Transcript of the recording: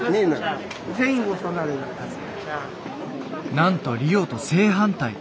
なんとリオと正反対。